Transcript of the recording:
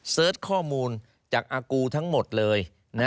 เสิร์ชข้อมูลจากอากูทั้งหมดเลย